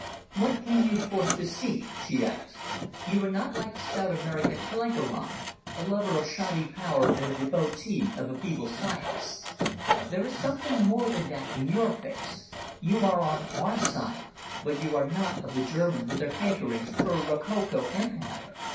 "What came you forth to seek?" she asked. "You are not like the stout American Blenkiron, a lover of shoddy power and a devotee of a feeble science. There is something more than that in your face. You are on our side, but you are not of the Germans with their hankerings for a rococo Empire.